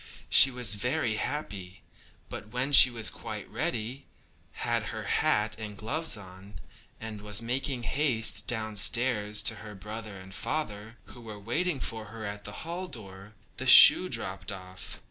She was very happy; but when she was quite ready, had her hat and gloves on, and was making haste downstairs to her brother and father, who were waiting for her at the hall door, the shoe dropped off.